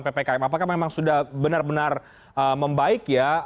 ppkm apakah memang sudah benar benar membaik ya